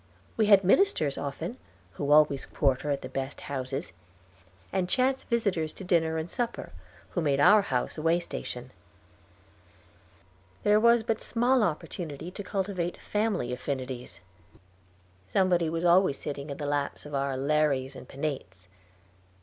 We had ministers often, who always quarter at the best houses, and chance visitors to dinner and supper, who made our house a way station. There was but small opportunity to cultivate family affinities; they were forever disturbed. Somebody was always sitting in the laps of our Lares and Penates.